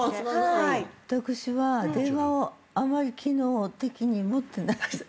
私は電話をあまり機能的に持ってないです。